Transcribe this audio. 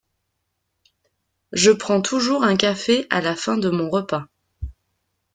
Je prends toujours un café à la fin de mon repas.